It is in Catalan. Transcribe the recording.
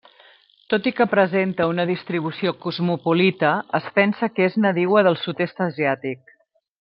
Tot i que presenta una distribució cosmopolita es pensa que és nadiua del sud-est asiàtic.